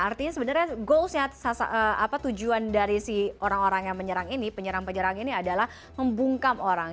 artinya sebenarnya tujuan dari si orang orang yang menyerang ini penyerang penyerang ini adalah membungkam orang